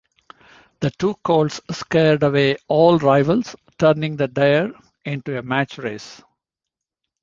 The two colts scared away all rivals, turning the Dwyer into a match race.